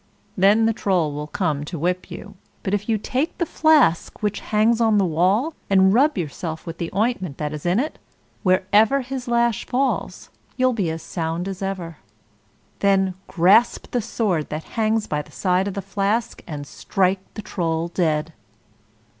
Then the Troll will come to whip you; but if you take the flask which hangs on the wall, and rub yourself with the ointment that's in it, wherever his lash falls, you'll be as sound as ever. Then grasp the sword that hangs by the side of the flask and strike the Troll dead."